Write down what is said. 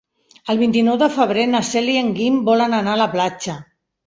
El vint-i-nou de febrer na Cel i en Guim volen anar a la platja.